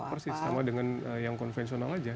ya sama persis sama dengan yang konvensional aja